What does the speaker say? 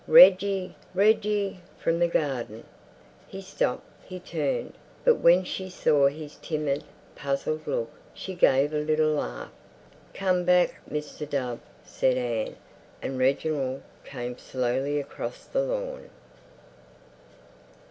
"Reggie, Reggie," from the garden. He stopped, he turned. But when she saw his timid, puzzled look, she gave a little laugh. "Come back, Mr. Dove," said Anne. And Reginald came slowly across the lawn.